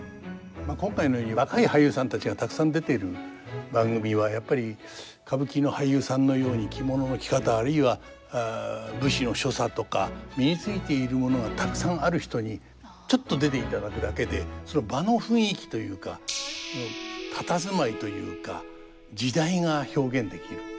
今回のように若い俳優さんたちがたくさん出ている番組はやっぱり歌舞伎の俳優さんのように着物の着方あるいは武士の所作とか身についているものがたくさんある人にちょっと出ていただくだけでその場の雰囲気というか佇まいというか時代が表現できる。